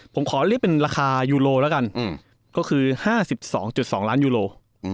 ผมขอเรียกเป็นราคายูโรแล้วกันก็คือ๕๒๒ล้านยูโร